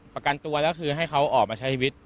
ประกันตัวแล้วคือให้เขาออกมาใช้ชีวิต